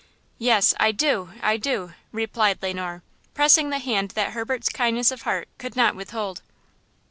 "Yes, I do; I do!" replied Le Noir, pressing the hand that Herbert's kindness of heart could not withhold.